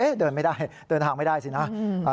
เดินไม่ได้เดินทางไม่ได้สินะ